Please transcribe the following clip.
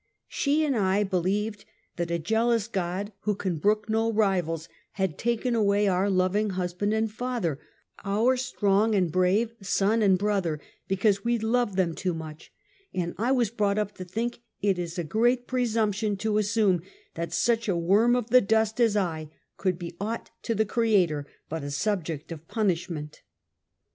She and I believed that "a jealous God," who can brook no rivals, had taken away our loving husband and father; our strong and brave son and brother, because we loved them too much, and I was brought up to think it a great pre sumption to assume that such a worm of the dust as I, could be aught to the Creator but a subject of pun ishment.